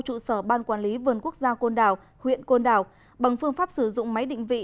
trụ sở ban quản lý vườn quốc gia côn đảo huyện côn đảo bằng phương pháp sử dụng máy định vị